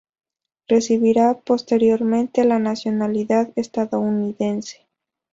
Recibiría posteriormente la nacionalidad estadounidense.